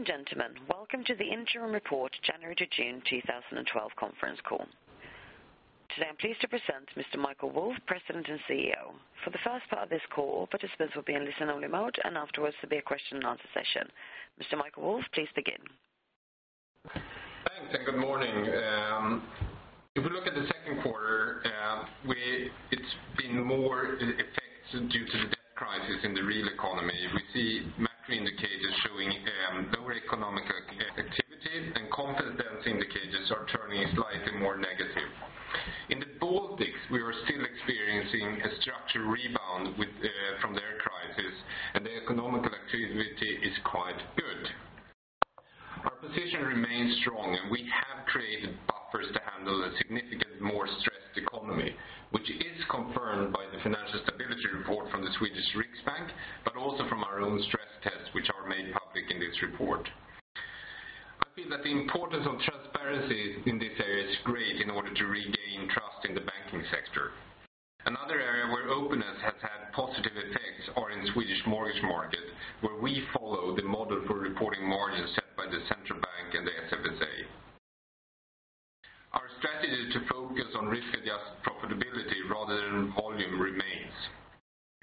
Ladies and gentlemen, welcome to the interim report, January to June 2012 conference call. Today, I'm pleased to present Mr. Michael Wolf, President and CEO. For the first part of this call, participants will be in listen-only mode, and afterwards there'll be a question and answer session. Mr. Michael Wolf, please begin. Thanks, and good morning. If we look at the second quarter, we-- it's been more effects due to the debt crisis in the real economy. We see macro indicators showing, lower economic activity, and confidence indicators are turning slightly more negative. In the Baltics, we are still experiencing a structured rebound with, from their crisis, and the economic activity is quite good. Our position remains strong, and we have created buffers to handle a significant more stressed economy, which is confirmed by the financial stability report from the Swedish Riksbank, but also from our own stress tests, which are made public in this report. I feel that the importance of transparency in this area is great in order to regain trust in the banking sector. Another area where openness has had positive effects are in Swedish mortgage market, where we follow the model for reporting margins set by the Central Bank and the SFSA. Our strategy to focus on risk-adjusted profitability rather than volume remains.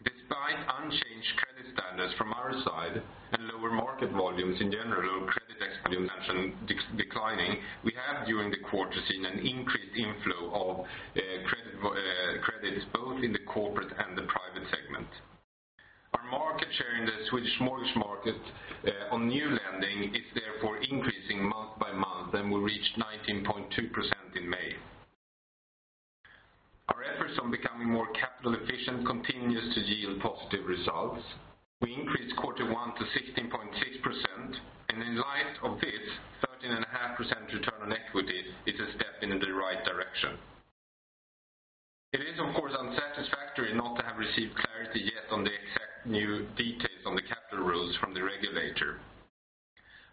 Despite unchanged credit standards from our side and lower market volumes in general, credit expansion declining, we have, during the quarter, seen an increased inflow of credit, credits, both in the corporate and the private segment. Our market share in the Swedish mortgage market on new lending is therefore increasing month by month, and we reached 19.2% in May. Our efforts on becoming more capital efficient continues to yield positive results. We increased quarter one to 16.6%, and in light of this, 13.5% return on equity is a step in the right direction. It is, of course, unsatisfactory not to have received clarity yet on the exact new details on the capital rules from the regulator.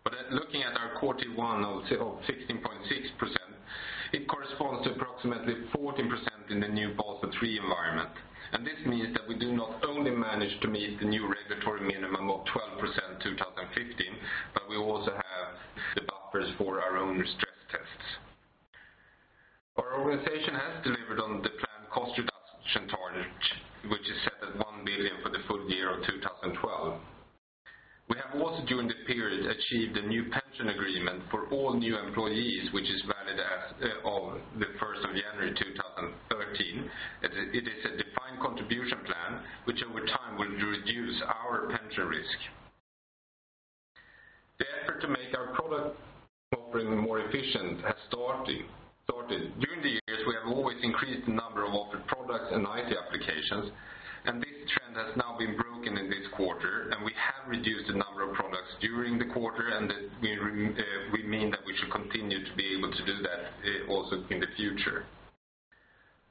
But looking at our quarter one of 16.6%, it corresponds to approximately 14% in the new Basel III environment. And this means that we do not only manage to meet the new regulatory minimum of 12% in 2015, but we also have the buffers for our own stress tests. Our organization has delivered on the planned cost reduction target, which is set at 1 billion for the full year of 2012. We have also, during the period, achieved a new pension agreement for all new employees, which is valid as of 1 January 2013. It is a defined contribution plan, which over time will reduce our pension risk. The effort to make our product offering more efficient has started. During the years, we have always increased the number of offered products and IT applications, and this trend has now been broken in this quarter, and we have reduced the number of products during the quarter, and we mean that we should continue to be able to do that also in the future.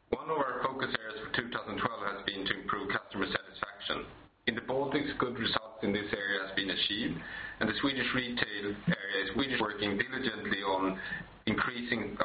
One of our focus areas for 2012 has been to improve customer satisfaction. In the Baltics, good results in this area has been achieved, and the Swedish retail area is working diligently on increasing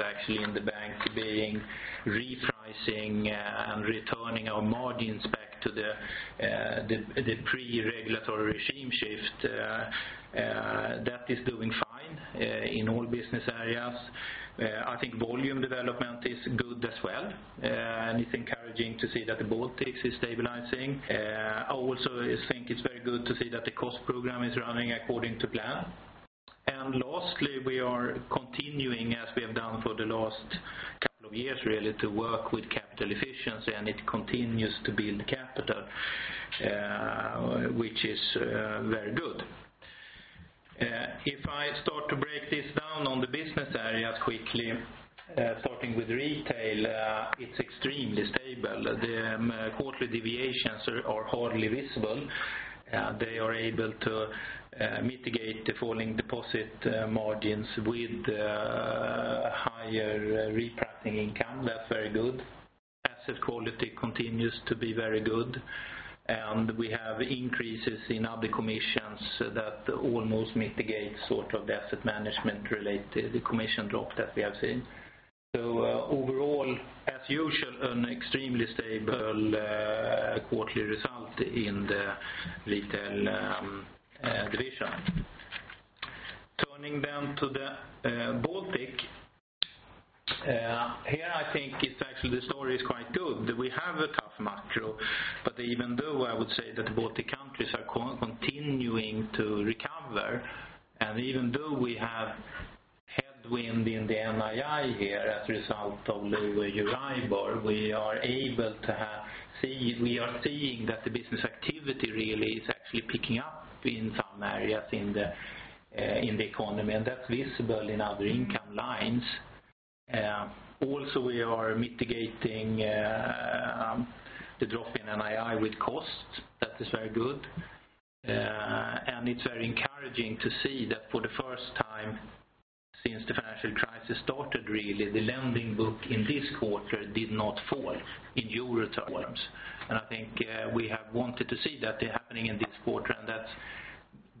actually in the bank being repricing and returning our margins back to the, the, the pre-regulatory regime shift, that is doing fine, in all business areas. I think volume development is good as well, and it's encouraging to see that the Baltics is stabilizing. I also think it's very good to see that the cost program is running according to plan. And lastly, we are continuing, as we have done for the last couple of years, really, to work with capital efficiency, and it continues to build capital, which is, very good. If I start to break this down on the business areas quickly, starting with retail, it's extremely stable. The quarterly deviations are hardly visible. They are able to mitigate the falling deposit margins with higher repricing income. That's very good. Asset quality continues to be very good, and we have increases in other commissions that almost mitigate sort of the asset management related, the commission drop that we have seen. So overall, as usual, an extremely stable quarterly result in the retail division. Turning then to the Baltic. Here, I think it's actually the story is quite good, that we have a tough macro, but even though I would say that the Baltic countries are continuing to recover, and even though we have headwind in the NII here as a result of the EURIBOR, we are able to have, we are seeing that the business activity really is actually picking up in some areas in the, in the economy, and that's visible in other income lines. Also, we are mitigating the drop in NII with costs. That is very good. And it's very encouraging to see that for the first time since the financial crisis started, really, the lending book in this quarter did not fall in euro terms. I think we have wanted to see that happening in this quarter, and that's,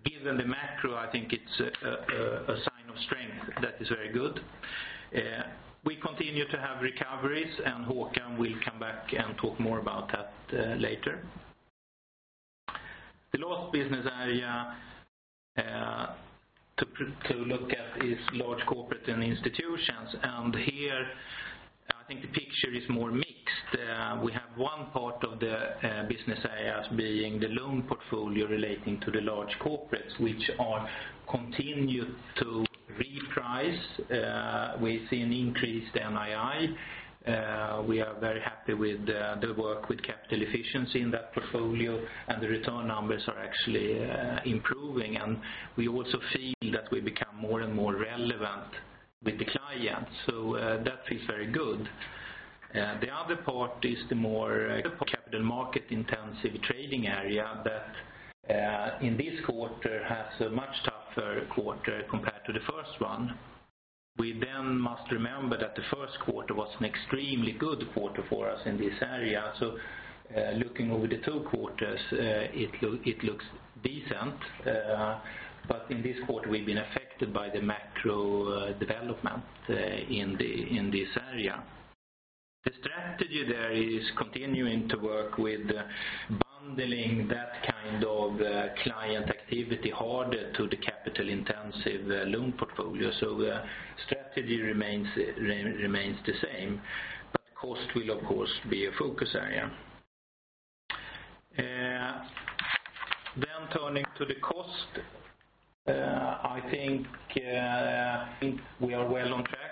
given the macro, I think it's a sign of strength that is very good. We continue to have recoveries, and Håkan will come back and talk more about that later. The last business area to look at is Large Corporates and Institutions, and here, I think the picture is more mixed. We have one part of the business areas being the loan portfolio relating to the large corporates, which are continued to reprice. We see an increased NII. We are very happy with the work with capital efficiency in that portfolio, and the return numbers are actually improving. We also feel that we become more and more relevant with the clients, so that feels very good. The other part is the more capital market-intensive trading area that in this quarter has a much tougher quarter compared to the first one. We then must remember that the first quarter was an extremely good quarter for us in this area. So looking over the two quarters, it looks decent. But in this quarter, we've been affected by the macro development in this area. The strategy there is continuing to work with bundling that kind of client activity harder to the capital-intensive loan portfolio. So the strategy remains the same, but cost will, of course, be a focus area. Then turning to the cost, I think we are well on track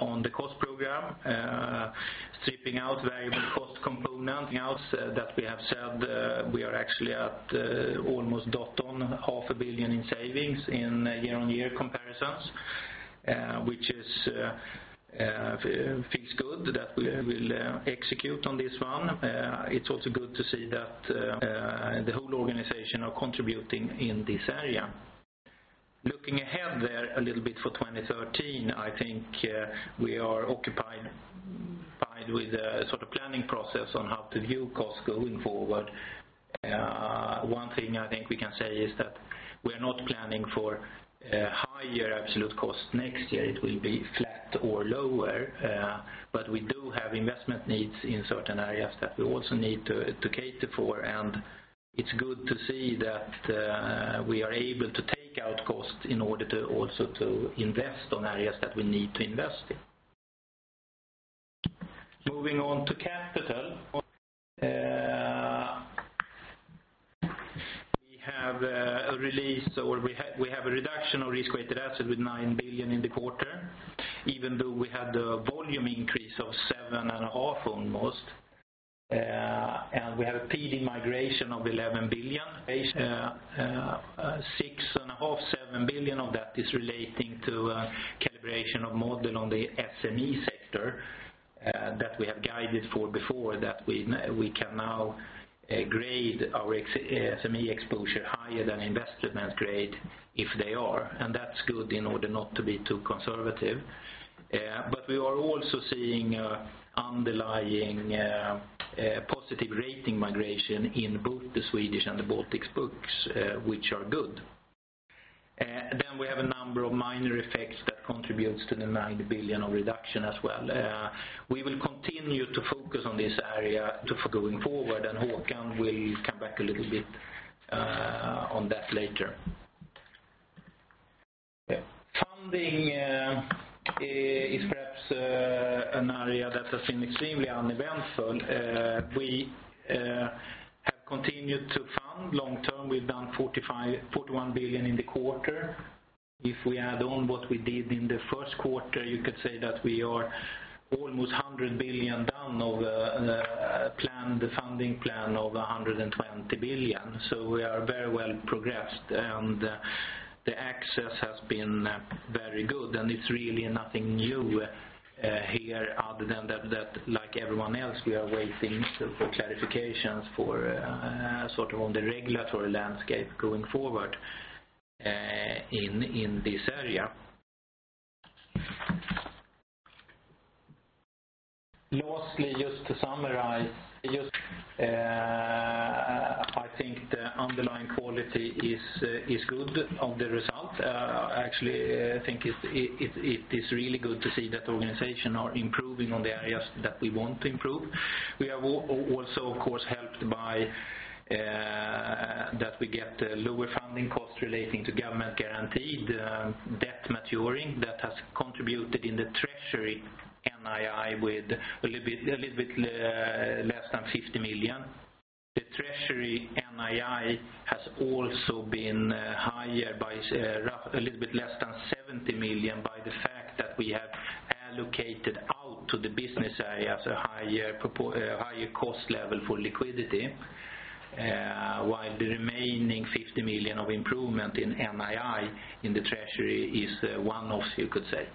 on the cost program. Stripping out variable cost component, anything else that we have said, we are actually at, almost dead on half a billion in savings in year-on-year comparisons, which is, feels good that we, we'll, execute on this one. It's also good to see that, the whole organization are contributing in this area. Looking ahead there a little bit for 2013, I think, we are occupied with a sort of planning process on how to view costs going forward. One thing I think we can say is that we are not planning for, higher absolute cost next year. It will be flat or lower, but we do have investment needs in certain areas that we also need to cater for. It's good to see that we are able to take out costs in order to also to invest on areas that we need to invest in. Moving on to capital, we have a release, or we have a reduction of risk-weighted asset with 9 billion in the quarter, even though we had a volume increase of seven and half almost. And we have a PD migration of 11 billion. Six and a half, seven billion of that is relating to a calibration of model on the SME sector, that we have guided for before, that we can now grade our SME exposure higher than investment grade if they are, and that's good in order not to be too conservative. We are also seeing underlying positive rating migration in both the Swedish and the Baltics books, which are good. We have a number of minor effects that contribute to the 9 billion of reduction as well. We will continue to focus on this area going forward, and Håkan will come back a little bit on that later. Funding is perhaps an area that has been extremely uneventful. We have continued to fund long term. We've done 45 billion-41 billion in the quarter. If we add on what we did in the first quarter, you could say that we are almost 100 billion down of plan, the funding plan of 120 billion. We are very well progressed, and... The access has been very good, and it's really nothing new here other than that, like everyone else, we are waiting for clarifications for sort of on the regulatory landscape going forward in this area. Lastly, just to summarize, I think the underlying quality is good on the result. Actually, I think it is really good to see that organization are improving on the areas that we want to improve. We are also, of course, helped by that we get lower funding costs relating to government guaranteed debt maturing that has contributed in the treasury NII with a little bit less than 50 million. The treasury NII has also been higher by roughly a little bit less than 70 million by the fact that we have allocated out to the business areas a higher cost level for liquidity. While the remaining 50 million of improvement in NII in the treasury is one-off, you could say.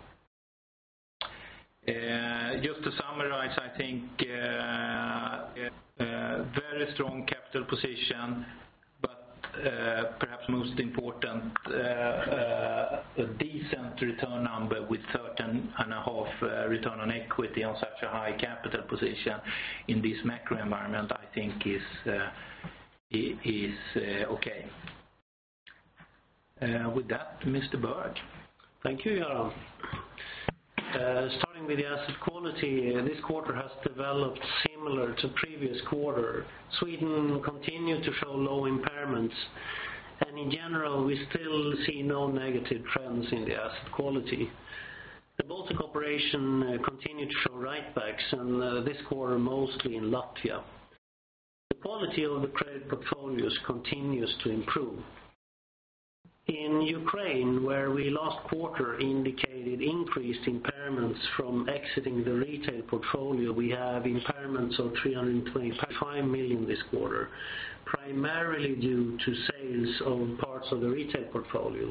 Just to summarize, I think very strong capital position, but perhaps most important, a decent return number with 13.5% return on equity on such a high capital position in this macro environment, I think is okay. With that, Mr. Berg. Thank you, Göran. Starting with the asset quality, this quarter has developed similar to previous quarter. Sweden continued to show low impairments, and in general, we still see no negative trends in the asset quality. The Baltic operation continued to show write-backs, and this quarter, mostly in Latvia. The quality of the credit portfolios continues to improve. In Ukraine, where we last quarter indicated increased impairments from exiting the retail portfolio, we have impairments of 325 million this quarter, primarily due to sales of parts of the retail portfolio.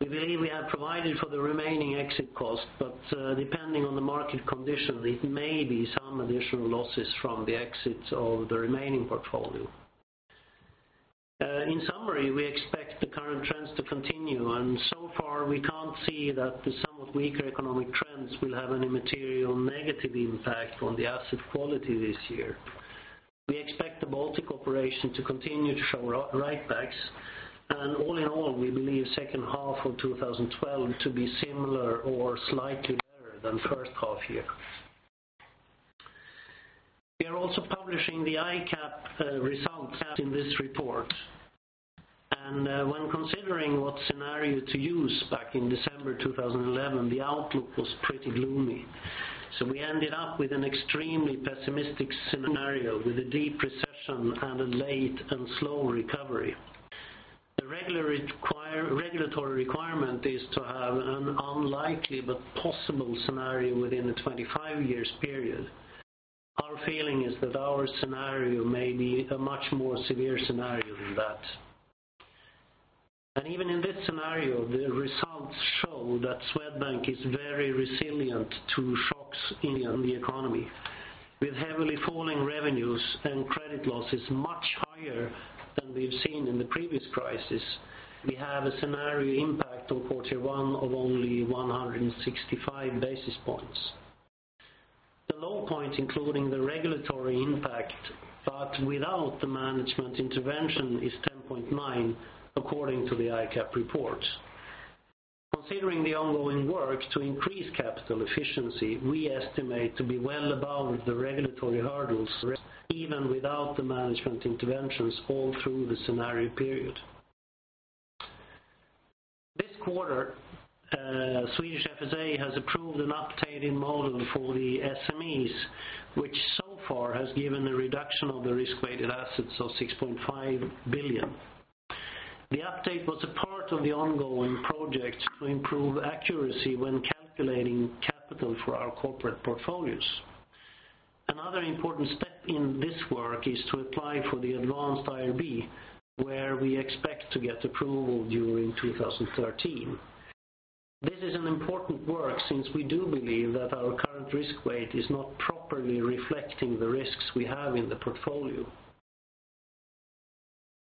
We believe we have provided for the remaining exit cost, but depending on the market condition, it may be some additional losses from the exits of the remaining portfolio. In summary, we expect the current trends to continue, and so far, we can't see that the somewhat weaker economic trends will have any material negative impact on the asset quality this year. We expect the Baltic operation to continue to show write-backs, and all in all, we believe second half of 2012 to be similar or slightly better than first half year. We are also publishing the ICAAP results in this report. And when considering what scenario to use back in December 2011, the outlook was pretty gloomy. So we ended up with an extremely pessimistic scenario, with a deep recession and a late and slow recovery. The regular regulatory requirement is to have an unlikely but possible scenario within a 25-year period. Our feeling is that our scenario may be a much more severe scenario than that. And even in this scenario, the results show that Swedbank is very resilient to shocks in the economy. With heavily falling revenues and credit losses much higher than we've seen in the previous crisis, we have a scenario impact on quarter one of only 165 basis points. The low point, including the regulatory impact, but without the management intervention, is 10.9, according to the ICAAP report. Considering the ongoing work to increase capital efficiency, we estimate to be well above the regulatory hurdles, even without the management interventions all through the scenario period. This quarter, Swedish FSA has approved an update in model for the SMEs, which so far has given a reduction of the risk-weighted assets of 6.5 billion. The update was a part of the ongoing project to improve accuracy when calculating capital for our corporate portfolios. Another important step in this work is to apply for the advanced IRB, where we expect to get approval during 2013. This is an important work since we do believe that our current risk weight is not properly reflecting the risks we have in the portfolio.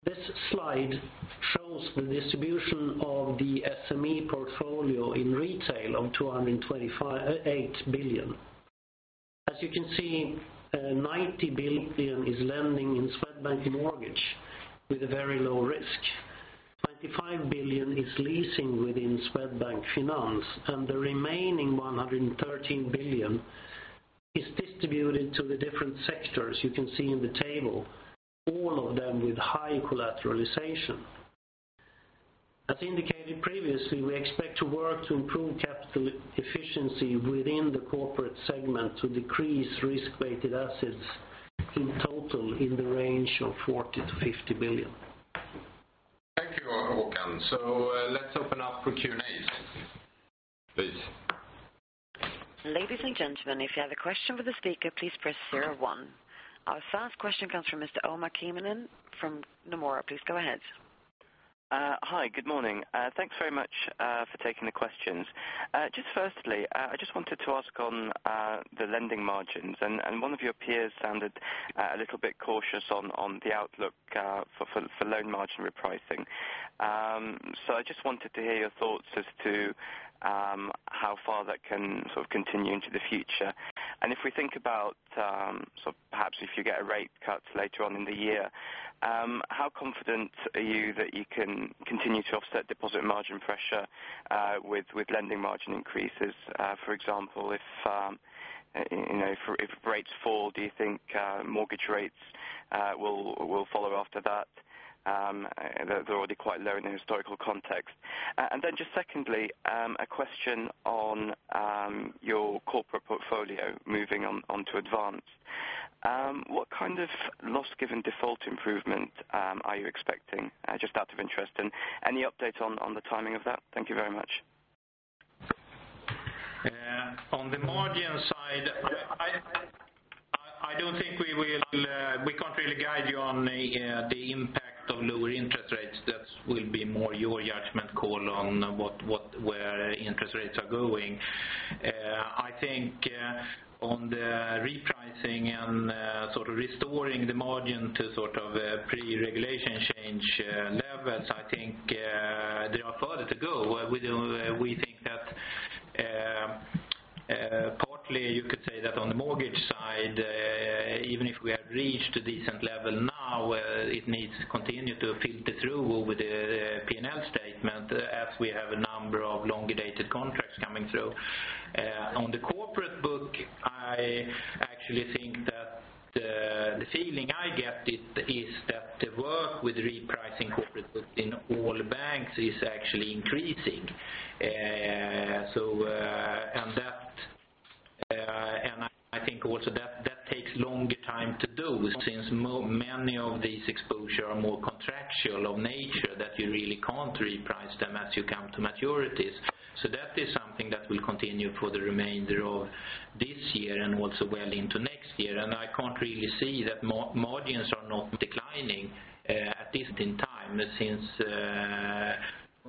This slide shows the distribution of the SME portfolio in retail of 228 billion. As you can see, 90 billion is lending in Swedbank Mortgage with a very low risk. 25 billion is leasing within Swedbank Finance, and the remaining 113 billion is distributed to the different sectors you can see in the table, all of them with high collateralization. As indicated previously, we expect to work to improve capital efficiency within the corporate segment to decrease risk-weighted assets in total in the range of 40 billion-50 billion. Thank you, Håkan. So let's open up for Q&A. Please.... Ladies and gentlemen, if you have a question for the speaker, please press zero one. Our first question comes from Mr. Omar Keenan from Nomura. Please go ahead. Hi, good morning. Thanks very much for taking the questions. Just firstly, I just wanted to ask on the lending margins, and one of your peers sounded a little bit cautious on the outlook for loan margin repricing. So I just wanted to hear your thoughts as to how far that can sort of continue into the future. And if we think about, so perhaps if you get a rate cut later on in the year, how confident are you that you can continue to offset deposit margin pressure with lending margin increases? For example, if you know, if rates fall, do you think mortgage rates will follow after that? They're already quite low in the historical context. And then, just secondly, a question on your corporate portfolio moving on to Advanced IRB. What kind of loss given default improvement are you expecting, just out of interest? And any updates on the timing of that? Thank you very much. On the margin side, I don't think we will. We can't really guide you on the impact of lower interest rates. That will be more your judgment call on what where interest rates are going. I think on the repricing and sort of restoring the margin to sort of pre-regulation change levels, I think there are further to go. We think that partly you could say that on the mortgage side, even if we have reached a decent level now, it needs to continue to filter through with the PNL statement, as we have a number of longer-dated contracts coming through. On the corporate book, I actually think that the feeling I get is that the work with repricing corporate book in all banks is actually increasing. So, I think also that that takes longer time to do, since many of these exposure are more contractual of nature, that you really can't reprice them as you come to maturities. So that is something that will continue for the remainder of this year and also well into next year. And I can't really see that margins are not declining at this in time, since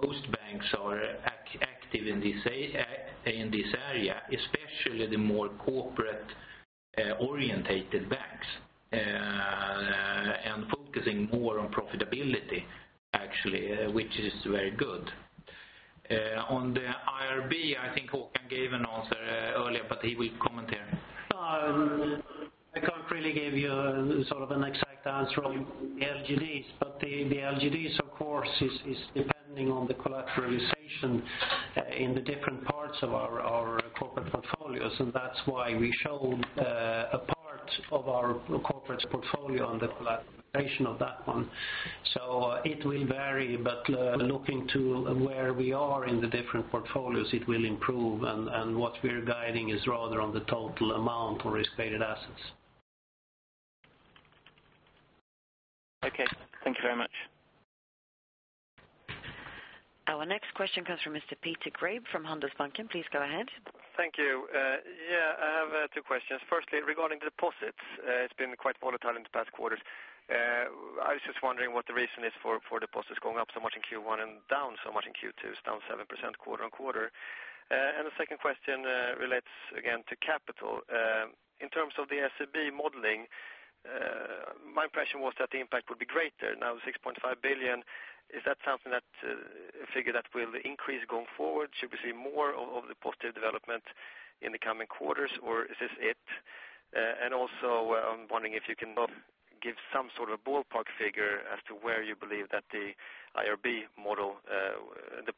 most banks are active in this area, especially the more corporate orientated banks and focusing more on profitability, actually, which is very good. On the IRB, I think Håkan gave an answer earlier, but he will comment here. I can't really give you sort of an exact answer on LGDs, but the, the LGDs, of course, is, is depending on the collateralization in the different parts of our, our corporate portfolios, and that's why we showed a part of our corporate portfolio on the collateralization of that one. So it will vary, but looking to where we are in the different portfolios, it will improve. And, and what we're guiding is rather on the total amount or risk-weighted assets. Okay. Thank you very much. Our next question comes from Mr. Peter Grabe from Handelsbanken. Please go ahead. Thank you. Yeah, I have two questions. Firstly, regarding deposits, it's been quite volatile in the past quarters. I was just wondering what the reason is for deposits going up so much in Q1 and down so much in Q2. It's down 7% quarter-on-quarter. The second question relates again to capital. In terms of the SEB modeling, my impression was that the impact would be greater. Now, 6.5 billion. Is that a figure that will increase going forward? Should we see more of the positive development in the coming quarters, or is this it? Also, I'm wondering if you can give some sort of ballpark figure as to where you believe the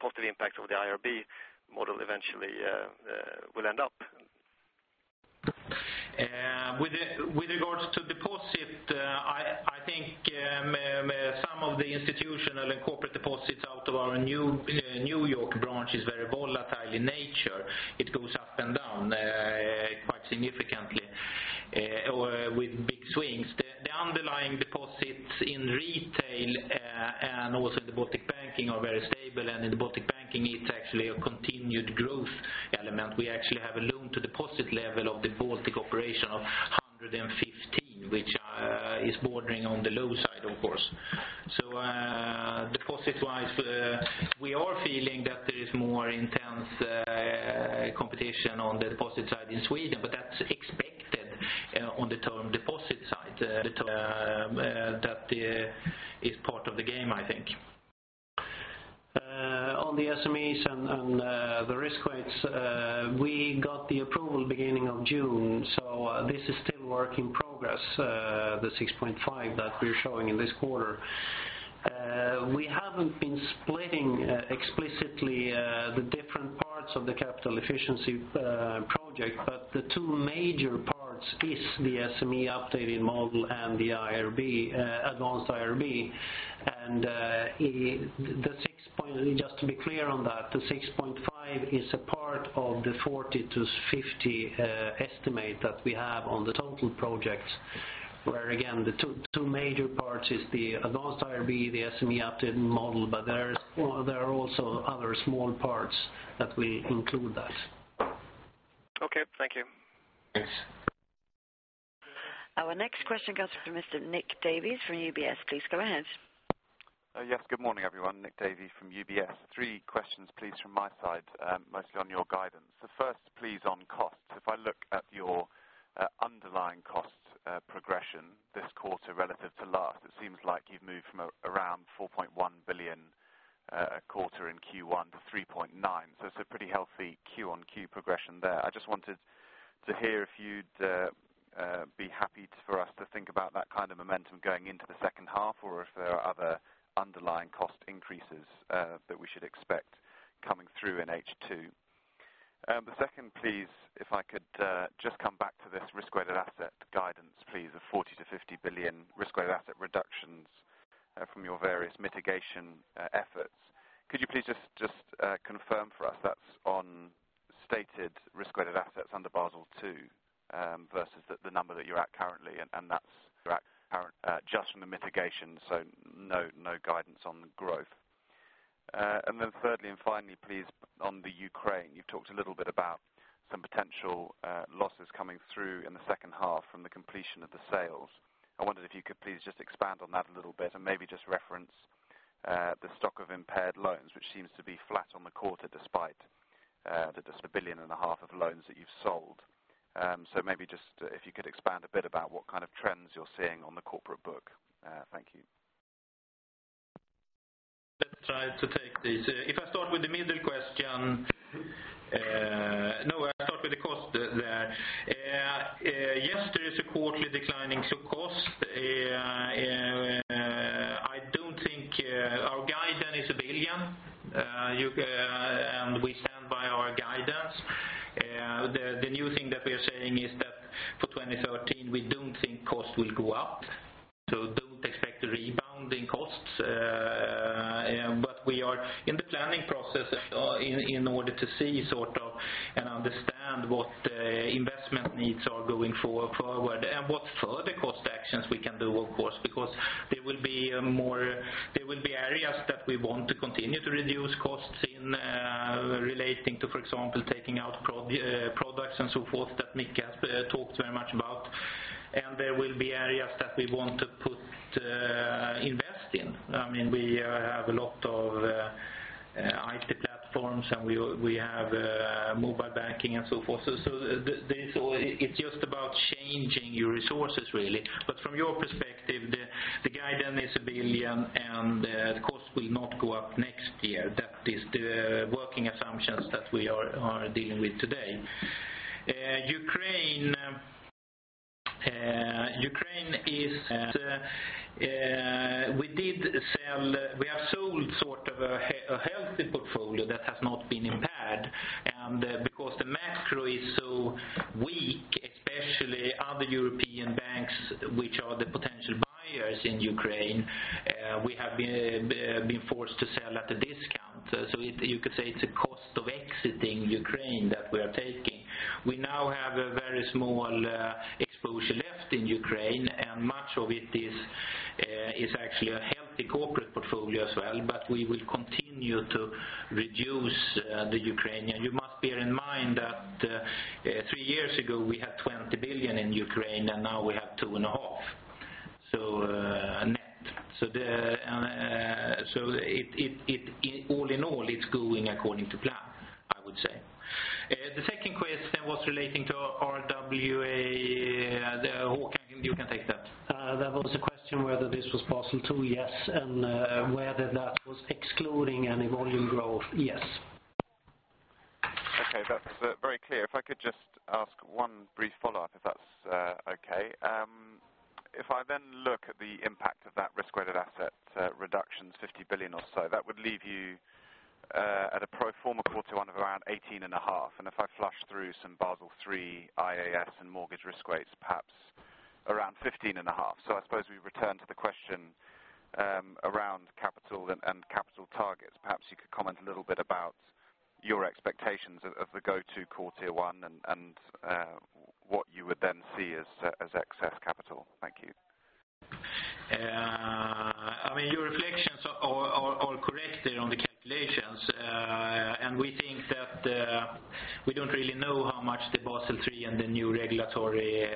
positive impact of the IRB model eventually will end up. With regards to deposit, I think some of the institutional and corporate deposits out of our new New York branch is very volatile in nature. It goes up and down quite significantly, or with big swings. The underlying deposits in retail and also the Baltic banking are very stable, and in the Baltic banking, it's actually a continued growth element. We actually have a loan to deposit level of the Baltic operation of 115, which is bordering on the low side, of course. So, deposit-wise, we are feeling that there is more intense competition on the deposit side in Sweden, but that's expected on the term deposit side. That is part of the game, I think. On the SMEs and the risk weights, we got the approval beginning of June, so this is still work in progress, the 6.5 that we're showing in this quarter. We haven't been splitting explicitly the different parts of the capital efficiency project, but the two major parts is the SME updating model and the IRB, advanced IRB. And the 6.5... Just to be clear on that, the 6.5 is a part of the 40-50 estimate that we have on the total project. Where again, the two major parts is the advanced IRB, the SME updated model, but there is, there are also other small parts that will include that. Okay, thank you. Thanks. Our next question goes to Mr. Nick Davey from UBS. Please go ahead. Yes, good morning, everyone. Nick Davey from UBS. Three questions, please, from my side, mostly on your guidance. The first, please, on costs. If I look at your underlying cost progression this quarter relative to last, it seems like you've moved from around 4.1 billion quarter in Q1 to 3.9 billion. So it's a pretty healthy Q-on-Q progression there. I just wanted to hear if you'd be happy for us to think about that kind of momentum going into the second half, or if there are other underlying cost increases that we should expect coming through in H2. The second, please, if I could, just come back to this risk-weighted asset guidance, please, the 40 billion-50 billion risk-weighted asset reductions from your various mitigation efforts. Could you please just confirm for us that's on stated risk-weighted assets under Basel II versus the number that you're at currently, and that's your current just from the mitigation, so no guidance on growth. And then thirdly, and finally, please, on the Ukraine. You've talked a little bit about some potential losses coming through in the second half from the completion of the sales. I wondered if you could please just expand on that a little bit and maybe just reference the stock of impaired loans, which seems to be flat on the quarter, despite the just a billion and a half of loans that you've sold. So maybe just if you could expand a bit about what kind of trends you're seeing on the corporate book. Thank you. Let's try to take these. If I start with the middle question, no, I start with the cost there. Yes, there is a quarterly declining cost. I don't think our guidance is 1 billion. You, and we stand by our guidance. The, the new thing that we are saying is that for 2013, we don't think cost will go up, so don't expect a rebound in costs. But we are in the planning process and, in, in order to see sort of and understand what, investment needs are going forward, and what further cost actions we can do, of course. Because there will be more. There will be areas that we want to continue to reduce costs in, relating to, for example, taking out products and so forth, that Micke has talked very much about. And there will be areas that we want to invest in. I mean, we have a lot of IT platforms, and we have mobile banking and so forth. So it's just about changing your resources, really. But from your perspective, the guidance is 1 billion, and the cost will not go up next year. That is the working assumptions that we are dealing with today. Ukraine is, we did sell. We have sold sort of a healthy portfolio that has not been impaired. Because the macro is so weak, especially other European banks, which are the potential buyers in Ukraine, we have been forced to sell at a discount. So you could say it's a cost of exiting Ukraine that we are taking. We now have a very small exposure left in Ukraine, and much of it is actually a healthy corporate portfolio as well, but we will continue to reduce the Ukraine. You must bear in mind that three years ago, we had 20 billion in Ukraine, and now we have 2.5 billion. So net. So the... So it all in all, it's going according to plan, I would say. The second question was relating to RWA. Håkan, you can take that. That was a question whether this was Basel II, yes, and whether that was excluding any volume growth, yes. Okay, that's very clear. If I could just ask one brief follow-up, if that's okay. If I then look at the impact of that risk-weighted asset reductions, 50 billion or so, that would leave you at a pro forma quarter one of around 18.5. And if I flush through some Basel III IAS and mortgage risk weights, perhaps around 15.5. So I suppose we return to the question around capital and capital targets. Perhaps you could comment a little bit about your expectations of the go-to core Tier one and what you would then see as excess capital. Thank you. I mean, your reflections are correct there on the calculations. And we think that we don't really know how much the Basel III and the new regulatory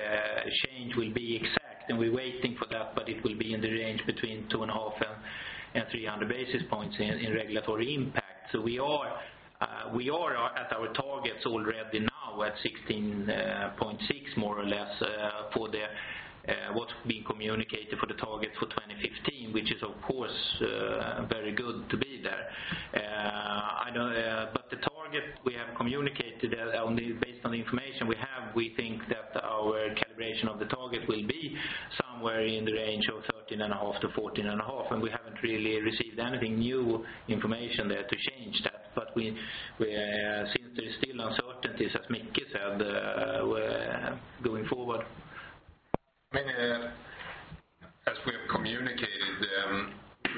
change will be exact, and we're waiting for that, but it will be in the range between 2.5 and 300 basis points in regulatory impact. So we are at our targets already now, at 16.6, more or less, for what's being communicated for the target for 2015, which is, of course, very good to be there. I know, but the target we have communicated on the... Based on the information we have, we think that our calibration of the target will be somewhere in the range of 13.5-14.5, and we haven't really received anything new information there to change that. But we, since there's still uncertainties, as Micke said, going forward. I mean, as we have communicated,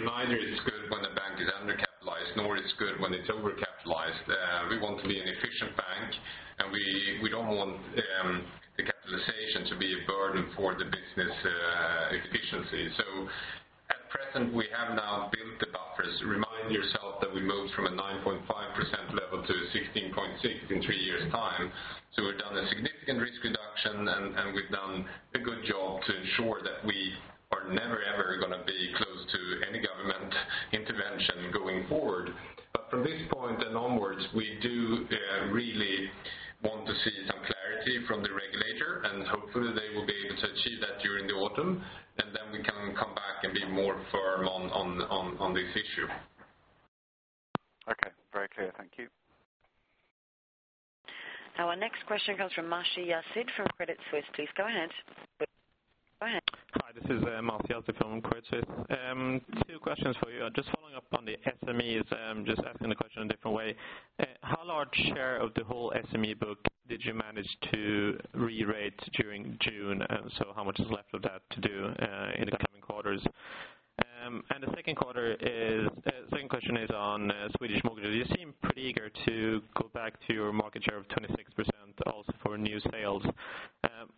neither is good when the bank is undercapitalized, nor is good when it's overcapitalized.... And we, we don't want the capitalization to be a burden for the business efficiency. So at present, we have now built the buffers. Remind yourself that we moved from a 9.5% level to 16.6% in three years time. So we've done a significant risk reduction and, and we've done a good job to ensure that we are never, ever gonna be close to any government intervention going forward. But from this point and onwards, we do really want to see some clarity from the regulator, and hopefully they will be able to achieve that during the autumn, and then we can come back and be more firm on, on, on, on this issue. Okay, very clear. Thank you. Our next question comes from Masih Yazdi from Credit Suisse. Please go ahead. Go ahead. Hi, this is Masih Yazdi from Credit Suisse. Two questions for you. Just following up on the SMEs, just asking the question a different way. How large share of the whole SME book did you manage to re-rate during June? And so how much is left of that to do in the coming quarters? And the second question is on Swedish mortgages. You seem pretty eager to go back to your market share of 26%, also for new sales.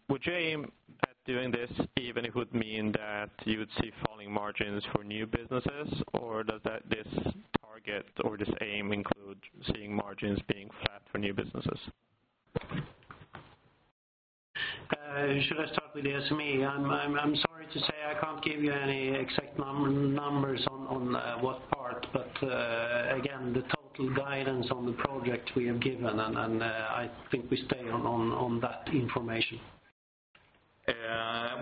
Would you aim at doing this, even it would mean that you would see falling margins for new businesses, or does that this target or this aim include seeing margins being flat for new businesses? Should I start with the SME? I'm sorry to say, I can't give you any exact numbers on what part, but again, the total guidance on the project we have given, and I think we stay on that information.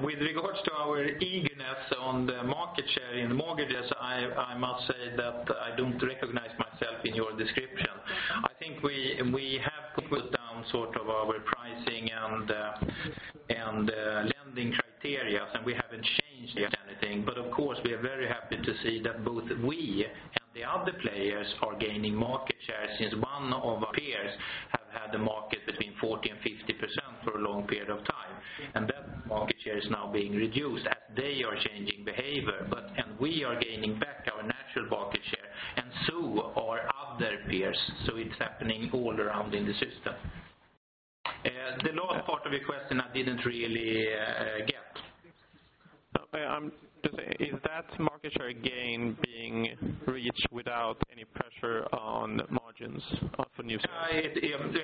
With regards to our eagerness on the market share in the mortgages, I must say that I don't recognize myself in your description. I think we have put down sort of our pricing and lending criteria, and we haven't changed anything. But of course, we are very happy to see that both we and the other players are gaining market share, since one of our peers have had the market between 40%-50% for a long period of time, and that market share is now being reduced as they are changing behavior. And we are gaining back our natural market share, and so are other peers, so it's happening all around in the system. The last part of your question I didn't really get. Is that market share, again, being reached without any pressure on margins of the new sales?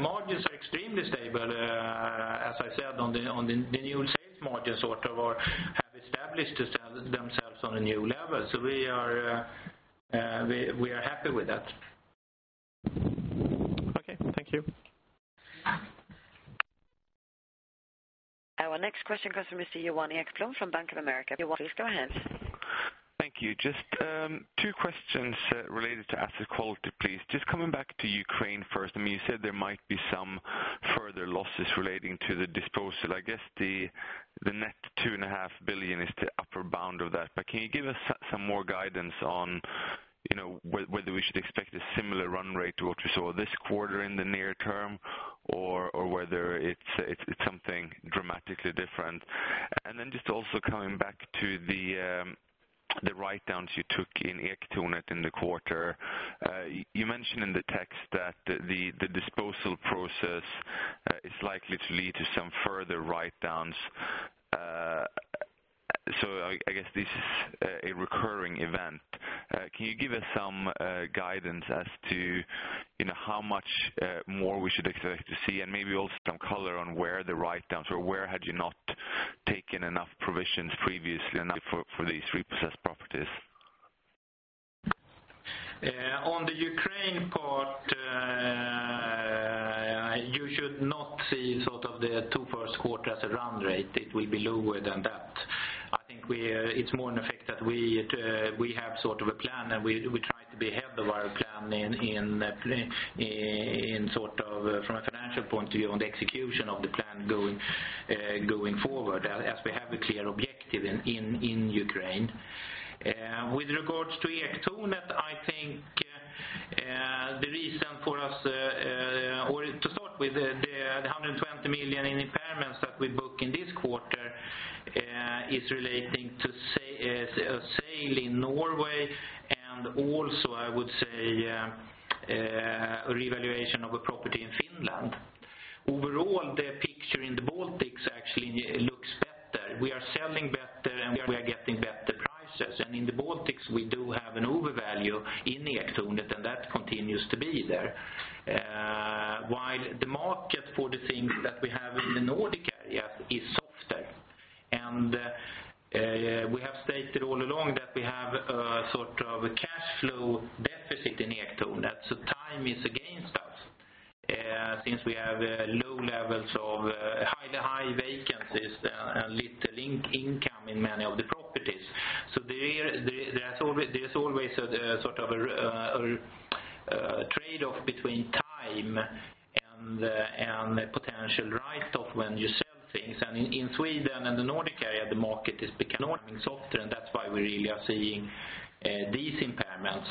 Margins are extremely stable, as I said, on the new sales margins, sort of, have established themselves on a new level. So we are happy with that. Okay, thank you. Our next question comes from Mr. Johan Ekblom from Bank of America. Johan, please go ahead. Thank you. Just two questions related to asset quality, please. Just coming back to Ukraine first. I mean, you said there might be some further losses relating to the disposal. I guess the net 2.5 billion is the upper bound of that. But can you give us some more guidance on, you know, whether we should expect a similar run rate to what we saw this quarter in the near term, or whether it's something dramatically different? And then just also coming back to the write-downs you took in Ektornet in the quarter. You mentioned in the text that the disposal process is likely to lead to some further write-downs. So I guess this is a recurring event. Can you give us some guidance as to, you know, how much more we should expect to see? And maybe also some color on where the write-downs, or where had you not taken enough provisions previously enough for, for these repossessed properties? On the Ukraine part, you should not see sort of the two first quarter as a run rate. It will be lower than that. I think it's more an effect that we have sort of a plan, and we try to be ahead of our plan in sort of from a financial point of view on the execution of the plan going forward, as we have a clear objective in Ukraine. With regards to Ektornet, I think the reason for us, or to start with the 120 million in impairments that we book in this quarter, is relating to sale in Norway, and also, I would say, revaluation of a property in Finland. Overall, the picture in the Baltics actually looks better. We are selling better, and we are getting better prices. And in the Baltics, we do have an overvalue in Ektornet, and that continues to be there. While the market for the things that we have in the Nordic area is softer, and we have stated all along that we have a sort of a cash flow deficit in Ektornet, so time is against us, since we have low levels of high vacancies and little income in many of the properties. So there, there's always a sort of a trade-off between time and and potential write-off when you sell things. And in Sweden and the Nordic area, the market is becoming softer, and that's why we really are seeing these impairments.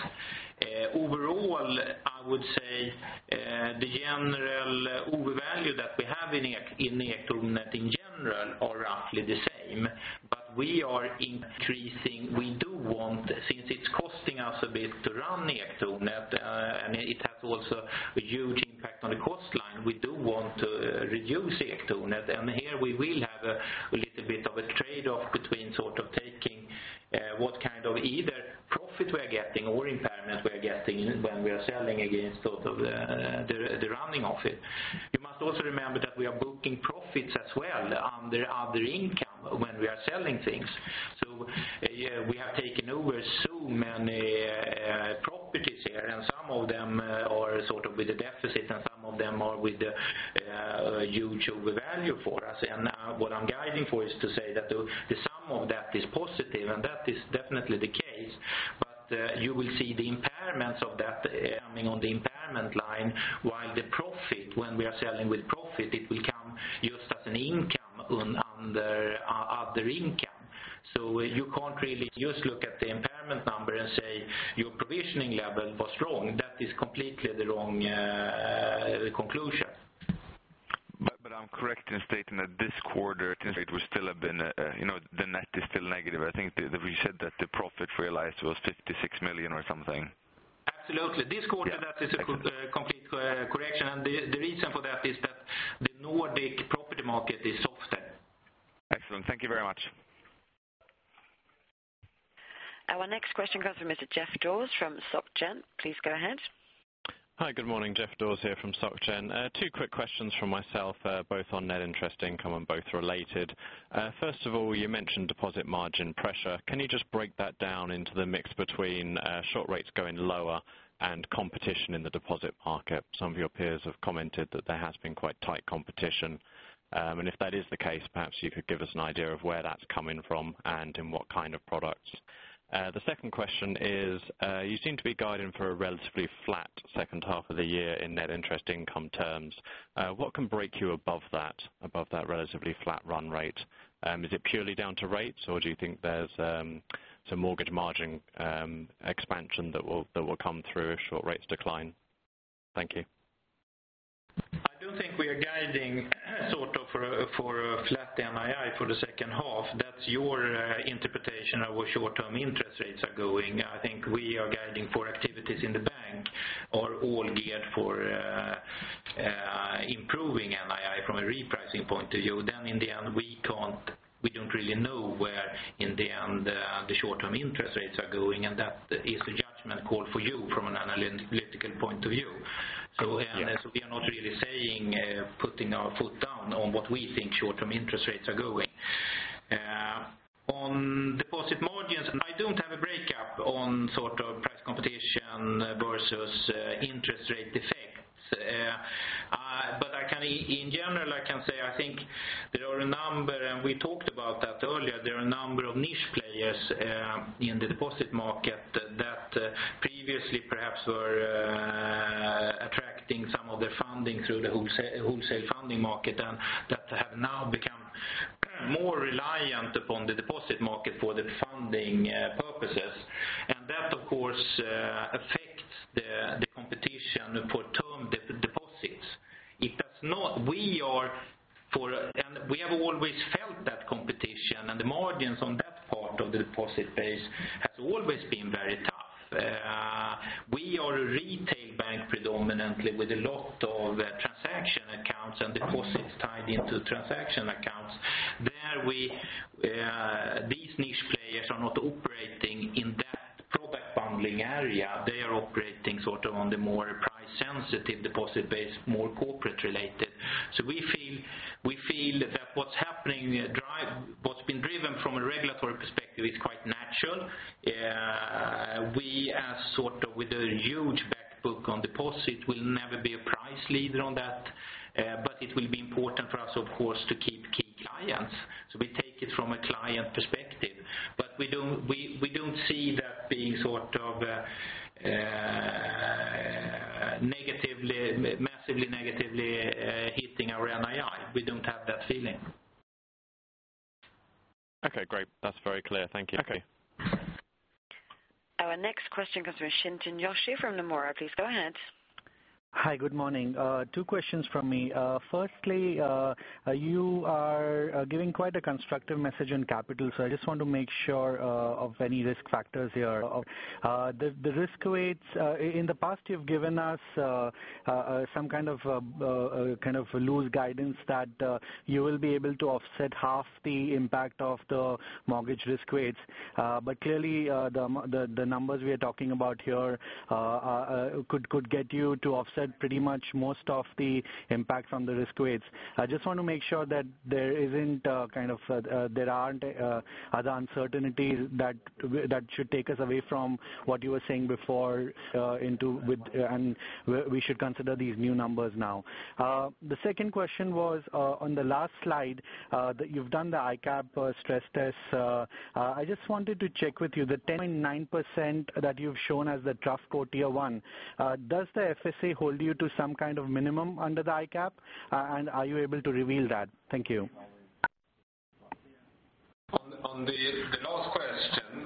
Overall, I would say the general overvalue that we have in Ektornet in general are roughly the same, but we are increasing, we do want, since it's costing us a bit to run the Ektornet, and it has also a huge impact on the cost line. We do want to reduce Ektornet, and here we will have a little bit of a trade-off between sort of taking what kind of either profit we are getting or impairment we are getting when we are selling against sort of the running of it. You must also remember that we are booking profits as well under other income when we are selling things. Yeah, we have taken over so many properties here, and some of them are sort of with a deficit, and some of them are with a huge overvalue for us. What I'm guiding for is to say that the sum of that is positive, and that is definitely the case. But you will see the impairments of that coming on the impairment line, while the profit, when we are selling with profit, it will come just as an income under other income. So you can't really just look at the impairment number and say your provisioning level was wrong. That is completely the wrong conclusion. But, but I'm correct in stating that this quarter it would still have been, you know, the net is still negative. I think that we said that the profit realized was 56 million or something. Absolutely. Yeah. This quarter, that is a complete correction, and the reason for that is that the Nordic property market is softer. Excellent. Thank you very much. Our next question comes from Mr. Geoff Dawes from Société Générale. Please go ahead. Hi, good morning. Geoff Dawes here from Société Générale. Two quick questions from myself, both on net interest income and both related. First of all, you mentioned deposit margin pressure. Can you just break that down into the mix between short rates going lower and competition in the deposit market? Some of your peers have commented that there has been quite tight competition. If that is the case, perhaps you could give us an idea of where that's coming from and in what kind of products. The second question is, you seem to be guiding for a relatively flat second half of the year in net interest income terms. What can break you above that, above that relatively flat run rate? Is it purely down to rates, or do you think there's some mortgage margin expansion that will, that will come through if short rates decline? Thank you. I don't think we are guiding sort of for a, for a flat NII for the second half. That's your interpretation of where short-term interest rates are going. I think we are guiding for activities in the bank are all geared for improving NII from a repricing point of view. Then in the end, we can't, we don't really know where, in the end, the short-term interest rates are going, and that is a judgment call for you from an analytical point of view. Yeah. We are not really saying, putting our foot down on what we think short-term interest rates are going. On deposit margins, I don't have a breakup on sort of price competition versus interest rate effects. I can, in general, say I think there are a number, and we talked about that earlier, there are a number of niche players in the deposit market that previously perhaps were attracting some of their funding through the wholesale funding market, and that have now become more reliant upon the deposit market for funding purposes. That, of course, affects the competition for term deposits. It does not... We are for, and we have always felt that competition, and the margins on that part of the deposit base has always been very tough. We are a retail bank predominantly with a lot of transaction accounts and deposits tied into transaction accounts. There, these niche players are not operating in that product bundling area. They are operating sort of on the more price-sensitive deposit base, more corporate related. So we feel that what's happening, what's been driven from a regulatory perspective is quite natural. We as sort of with a huge back book on deposits, will never be a price leader on that, but it will be important for us, of course, to keep key clients. So we take it from a client perspective, but we don't see that being sort of negatively, massively negatively hitting our NII. We don't have that feeling. Okay, great. That's very clear. Thank you. Okay. Our next question comes from Chintan Joshi from Nomura. Please go ahead. Hi, good morning. Two questions from me. Firstly, you are giving quite a constructive message on capital, so I just want to make sure of any risk factors here. Of the risk weights. In the past, you've given us some kind of loose guidance that you will be able to offset half the impact of the mortgage risk weights. But clearly, the numbers we are talking about here could get you to offset pretty much most of the impact from the risk weights. I just want to make sure that there isn't, kind of, there aren't, other uncertainties that, that should take us away from what you were saying before, into, with, and we, we should consider these new numbers now. The second question was, on the last slide, that you've done the ICAAP, stress test. I just wanted to check with you, the 10 and 9% that you've shown as the core Tier one, does the FSA hold you to some kind of minimum under the ICAAP, and are you able to reveal that? Thank you. On the last question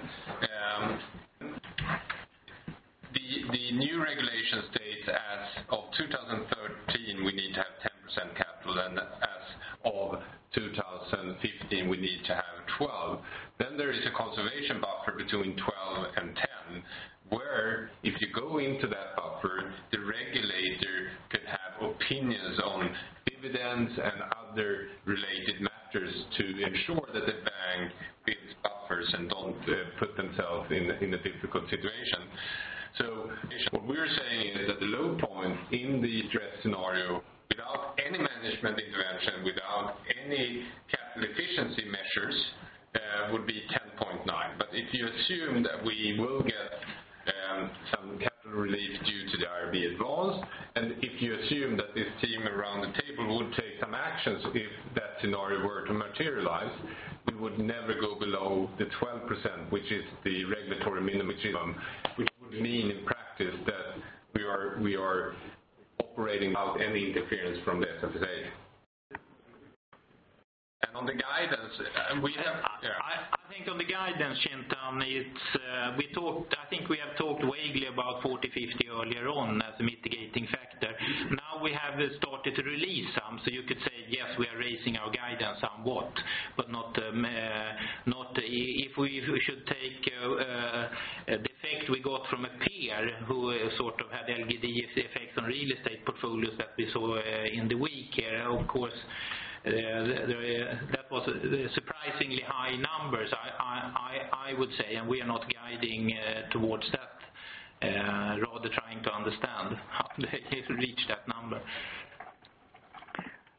the new regulation states act of 2013 of 10% capital and as of 2015, we need to have 12. Then there is a conservation buffer between 12 and 10, where if you go into that buffer, the regulator could have opinions on dividends and other related matters to ensure that the bank builds buffers and don't put themselves in a difficult situation. So what we're saying is that the low point in the stress scenario, without any management intervention, without any capital efficiency measures, would be 10.9. But if you assume that we will get some capital relief due to the Advanced IRB, and if you assume that this team around the table would take some actions if that scenario were to materialize, we would never go below the 12%, which is the regulatory minimum minimum, which would mean in practice that we are, we are operating without any interference from the SFSA. And on the guidance, we have- I think on the guidance, Chintan, it's we talked. I think we have talked vaguely about 40-50 earlier on as a mitigating factor. Now we have started to release some, so you could say, yes, we are raising our guidance somewhat, but not, not. If we should take the effect we got from a peer who sort of had LGD effects on real estate portfolios that we saw in the week here, of course, the that was surprisingly high numbers. I would say, and we are not guiding towards that, rather trying to understand how they reach that number.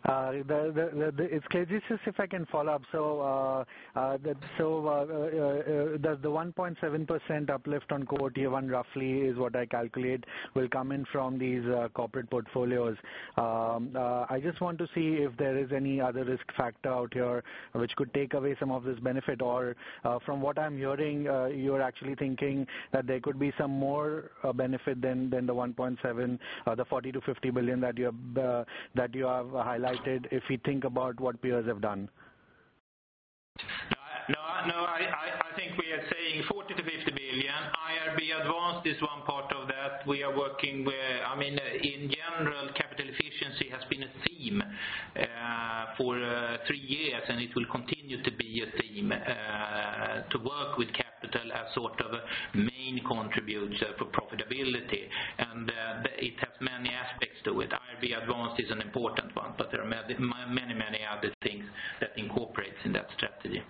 It's Chintan. Just if I can follow up. So, does the 1.7% uplift on Core Tier 1, roughly, is what I calculate, will come in from these corporate portfolios. I just want to see if there is any other risk factor out here which could take away some of this benefit, or, from what I'm hearing, you're actually thinking that there could be some more benefit than the 1.7%, the 40-50 billion that you have highlighted, if we think about what peers have done. No, I think we are saying 40 billion-50 billion. IRB advanced is one part of that. We are working with... I mean, in general, capital efficiency has been a theme for three years, and it will continue to be a theme to work with capital as sort of a main contributor for profitability, and it has many aspects to it. IRB advanced is an important one, but there are many, many other things that incorporates in that strategy.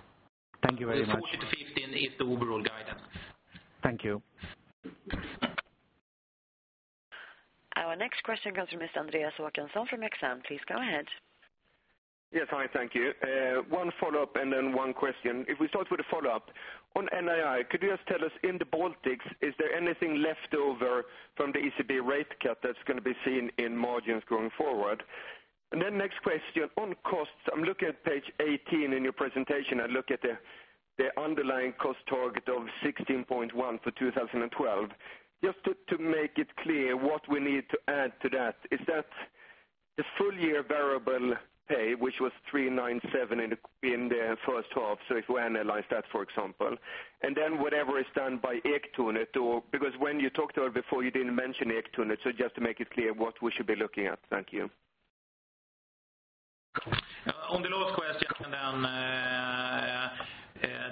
Thank you very much. 40-50 is the overall guidance. Thank you. Our next question comes from Mr. Andreas Håkansson from Exane. Please go ahead. Yes, hi, thank you. One follow-up and then one question. If we start with the follow-up, on NII, could you just tell us, in the Baltics, is there anything left over from the ECB rate cut that's gonna be seen in margins going forward? Next question, on costs, I'm looking at page 18 in your presentation. I look at the underlying cost target of 16.1 for 2012. Just to make it clear, what we need to add to that, is that the full year variable pay, which was 397 in the first half, so if we analyze that, for example, and then whatever is done by Ektornet or... Because when you talked to her before, you didn't mention Ektornet, so just to make it clear what we should be looking at. Thank you. On the last question,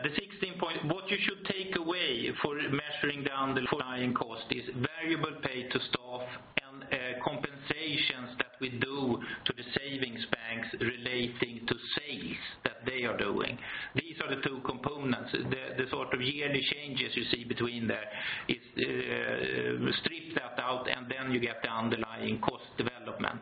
the 16 point, what you should take away for measuring down the underlying cost is variable pay to staff and, compensations that we do to the savings banks relating to sales that they are doing. These are the two components. The sort of yearly changes you see between there is, strip that out, and then you get the underlying cost development.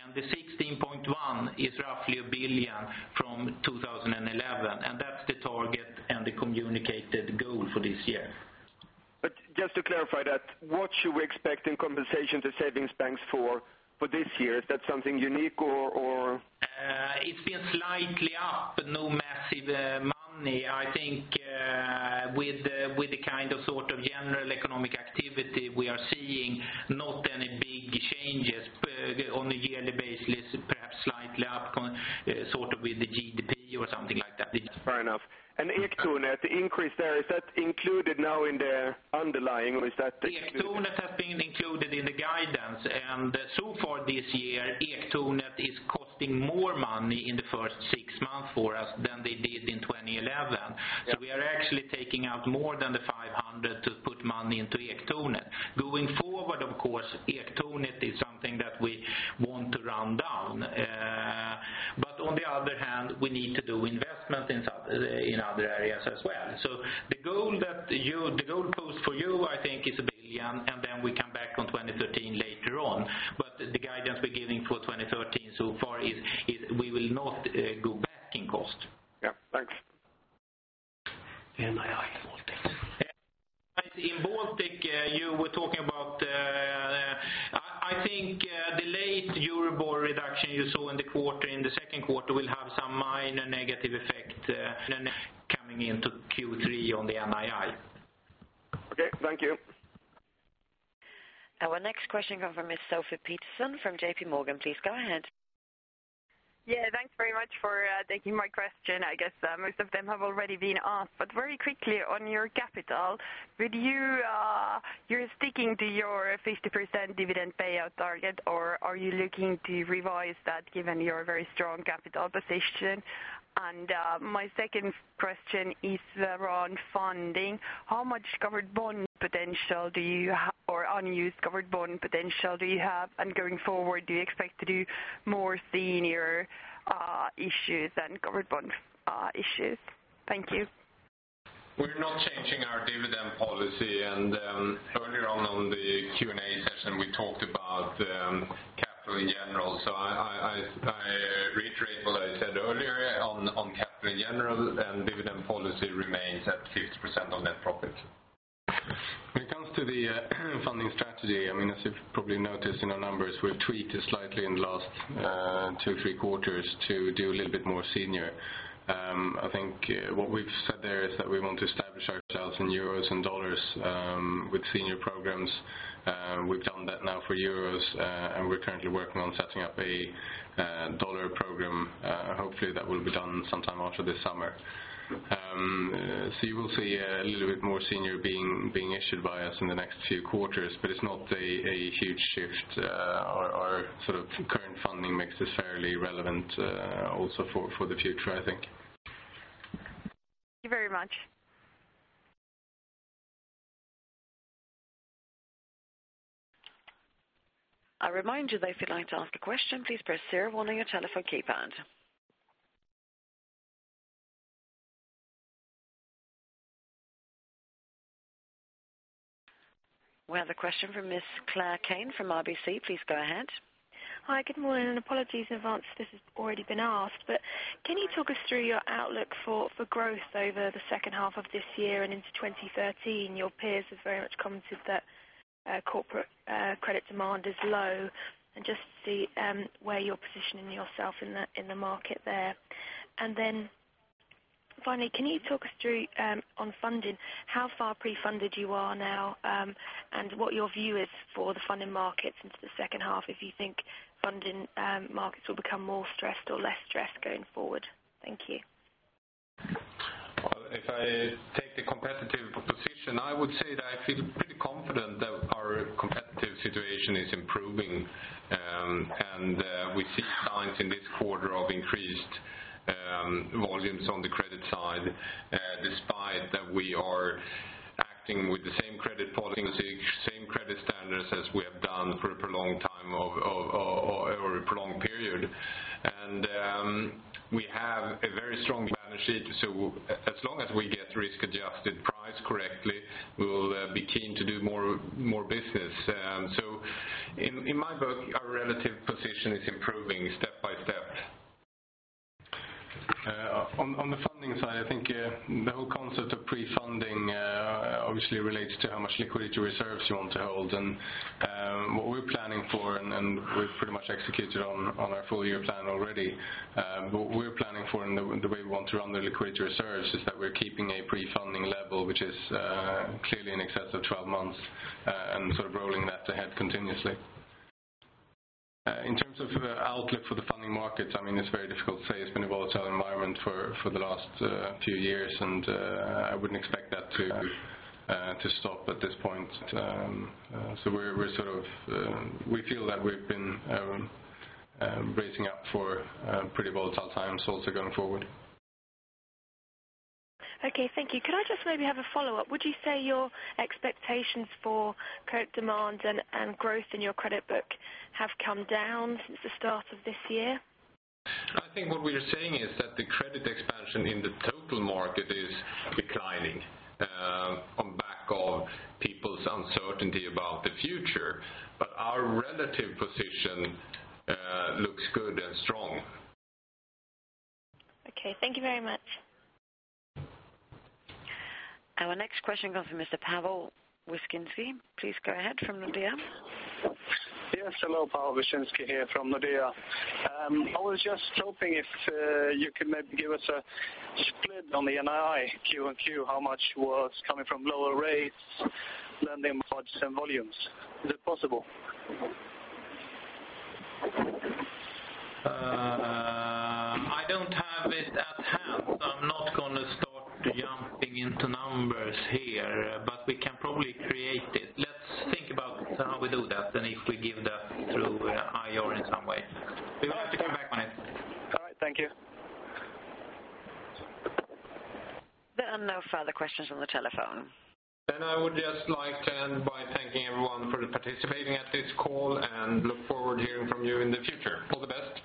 And the 16.1 is roughly 1 billion from 2011, and that's the target and the communicated goal for this year. But just to clarify that, what should we expect in compensation to savings banks for this year? Is that something unique or? It's been slightly up, but no massive money. I think, with the kind of, sort of general economic activity, we are seeing not any big changes. But on a yearly basis, perhaps slightly up on, sort of with the GDP or something like that. Fair enough. And Ektornet, the increase there, is that included now in the underlying, or is that- Ektornet has been included in the guidance, and so far this year, Ektornet is costing more money in the first six months for us than they did in 2011. So we are actually taking out more than the 500 million to put money into Ektornet. Going forward, of course, Ektornet is something that we want to run down. But on the other hand, we need to do investment in some, in other areas as well. So the goal that you, the goal post for you, I think, is 1 billion, and then we come back on 2013 later on. But the guidance we're giving for 2013 so far is, we will not go back in cost. Yeah. Thanks. NII in Baltic. In the Baltics, you were talking about, I think, the latest EURIBOR reduction you saw in the quarter, in the second quarter, will have some minor negative effect coming into Q3 on the NII. Okay. Thank you. Our next question come from Ms. Sofie Peterzéns from JP Morgan. Please go ahead. Yeah, thanks very much for taking my question. I guess most of them have already been asked, but very quickly on your capital, You're sticking to your 50% dividend payout target, or are you looking to revise that given your very strong capital position? And my second question is around funding. How much covered bond potential do you have or unused covered bond potential do you have? And going forward, do you expect to do more senior issues than covered bond issues? Thank you. We're not changing our dividend policy, and earlier on, on the Q&A session, we talked about capital in general. So I reiterate what I said earlier on, on capital in general, and dividend policy remains at 50% on net profits. When it comes to the funding strategy, I mean, as you've probably noticed in our numbers, we've tweaked it slightly in the last two-three quarters to do a little bit more senior. I think what we've said there is that we want to establish ourselves in euros and dollars with senior programs. We've done that now for euros, and we're currently working on setting up a dollar program. Hopefully, that will be done sometime after this summer. So you will see a little bit more senior being issued by us in the next few quarters, but it's not a huge shift. Our sort of current funding mix is fairly relevant also for the future, I think. Thank you very much. I remind you that if you'd like to ask a question, please press star one on your telephone keypad. We have a question from Miss Claire Kane from RBC. Please go ahead. Hi, good morning, and apologies in advance if this has already been asked. But can you talk us through your outlook for growth over the second half of this year and into 2013? Your peers have very much commented that corporate credit demand is low, and just to see where you're positioning yourself in the market there. And then, finally, can you talk us through on funding, how far pre-funded you are now, and what your view is for the funding markets into the second half, if you think funding markets will become more stressed or less stressed going forward? Thank you. Well, if I take the competitive position, I would say that I feel pretty confident that our competitive situation is improving, and we see signs in this quarter of increased volumes on the credit side, despite that we are acting with the same credit policy, same credit standards as we have done for a prolonged time or a prolonged period. We have a very strong balance sheet, so as long as we get risk-adjusted price correctly, we will be keen to do more business. So in my book, our relative position is improving step by step. On the funding side, I think the whole concept of pre-funding obviously relates to how much liquidity reserves you want to hold. What we're planning for, and we've pretty much executed on our full year plan already. What we're planning for and the way we want to run the liquidity reserves is that we're keeping a pre-funding level, which is clearly in excess of 12 months, and sort of rolling that ahead continuously. In terms of outlook for the funding markets, I mean, it's very difficult to say. It's been a volatile environment for the last few years, and I wouldn't expect that to stop at this point. So we're sort of... We feel that we've been bracing up for pretty volatile times also going forward. Okay, thank you. Could I just maybe have a follow-up? Would you say your expectations for current demand and, and growth in your credit book have come down since the start of this year? I think what we are saying is that the credit expansion in the total market is declining, on the back of people's uncertainty about the future, but our relative position looks good and strong. Okay, thank you very much. Our next question comes from Mr. Paweł Wiśniewski. Please go ahead from Nordea. Yes, hello, Paweł Wiśniewski here from Nordea. I was just hoping if you could maybe give us a split on the NII Q on Q, how much was coming from lower rates, lending margins and volumes. Is it possible? I don't have it at hand, so I'm not gonna start jumping into numbers here, but we can probably create it. Let's think about how we do that, and if we give that through IR in some way. We will have to come back on it. All right. Thank you. There are no further questions on the telephone. I would just like to end by thanking everyone for participating at this call, and look forward to hearing from you in the future. All the best.